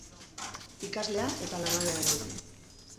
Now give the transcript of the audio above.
Ikaslea eta langabea naiz.